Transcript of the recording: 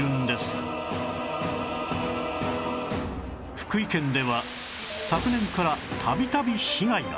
福井県では昨年から度々被害が